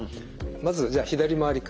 まずじゃあ左回りから。